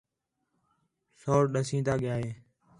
سوڑ ݙسین٘دا ڳِیا ہِے